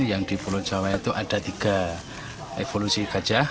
yang di pulau jawa itu ada tiga evolusi gajah